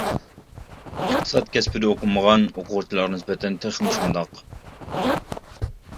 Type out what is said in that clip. ئىقتىساد كەسپىدە ئوقۇمىغان ئوقۇغۇچىلارغا نىسبەتەن تېخىمۇ شۇنداق.